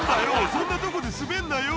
そんなとこで滑んなよ」